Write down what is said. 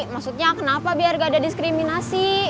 maksudnya kenapa biar gak ada diskriminasi